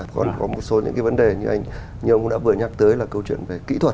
còn có một số những cái vấn đề như anh như ông đã vừa nhắc tới là câu chuyện về kỹ thuật